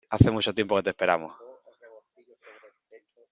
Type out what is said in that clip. Hace mucho tiempo que te esperamos.